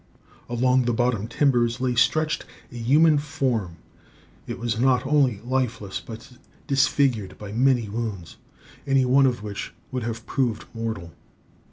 Along the bottom timbers lay stretched a human form. It was not only lifeless, but disfigured by many wounds, anyone of which would have proved mortal.